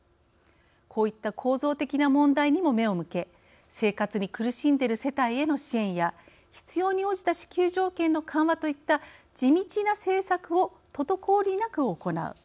こういった構造的な問題にも目を向け生活に苦しんでいる世帯への支援や必要に応じた支給条件の緩和といった地道な政策を滞りなく行う。